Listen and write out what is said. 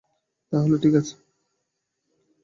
তাহলে, ঠিক আছে।